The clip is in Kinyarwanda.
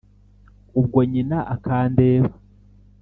Ubwo nyina akandeba